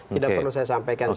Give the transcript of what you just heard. tidak perlu saya sampaikan